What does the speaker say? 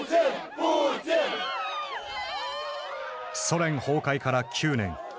ソ連崩壊から９年。